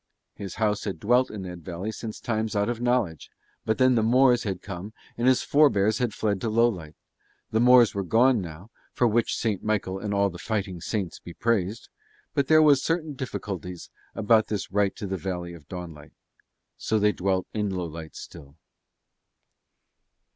His house had dwelt in that valley since times out of knowledge; but then the Moors had come and his forbears had fled to Lowlight: the Moors were gone now, for which Saint Michael and all fighting Saints be praised; but there were certain difficulties about his right to the Valley of Dawnlight. So they dwelt in Lowlight still.